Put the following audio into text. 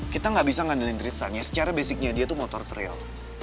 kita nggak bisa ngandelin trisun ya secara basicnya dia tuh motor trail